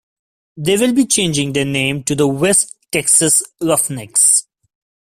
They will be changing their name to the West Texas Roughnecks.